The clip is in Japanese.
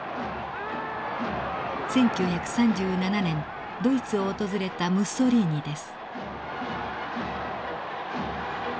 １９３７年ドイツを訪れたムッソリーニです。